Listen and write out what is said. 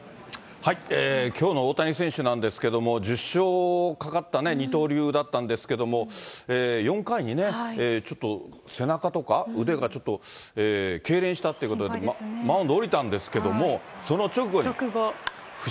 きょうの大谷選手なんですけど、１０勝かかった二刀流だったんですけども、４回にね、ちょっと背中とか腕がちょっとけいれんしたっていうことで、マウンド降りたんですけど、すごい。